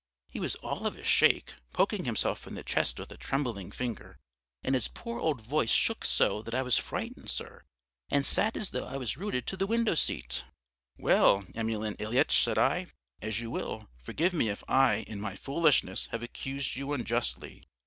"He was all of a shake, poking himself in the chest with a trembling finger, and his poor old voice shook so that I was frightened, sir, and sat as though I was rooted to the window seat. "'Well, Emelyan Ilyitch,' said I, 'as you will, forgive me if I, in my foolishness, have accused you unjustly.